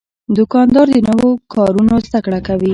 دوکاندار د نوو کارونو زدهکړه کوي.